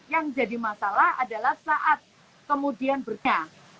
yang jadi masalah adalah saat kemudian bernya